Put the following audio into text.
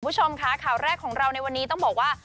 คุณผู้ชมค่ะข่าวแรกของเราในวันนี้ต้องบอกว่า